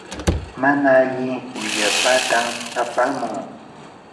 mana alli willapatam apamuu.